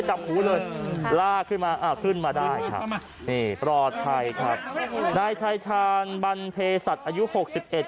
จับหูเลยลากขึ้นมาอ่าขึ้นมาได้ครับนี่ปลอดภัยครับนายชายชาญบันเพศัตริย์อายุหกสิบเอ็ด